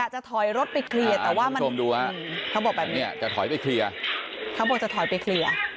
การจะถอยรถไปเคลียร์แต่ว่ามันคุณผู้ชมดูฮะเขาบอกแบบนี้จะถอยไปเคลียร์